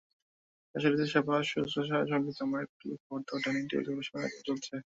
শাশুড়ির সেবা শুশ্রূষার সঙ্গে জামাইয়ের প্রিয় খাবারদাবার ডাইনিং টেবিলে পরিবেশনের আয়োজন চলছে।